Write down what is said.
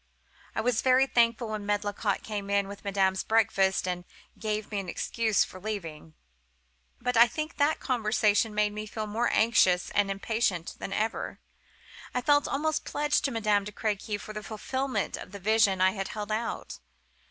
"I was very thankful when Medlicott came in with Madame's breakfast, and gave me an excuse for leaving. "But I think that conversation made me feel more anxious and impatient than ever. I felt almost pledged to Madame de Crequy for the fulfilment of the vision I had held out.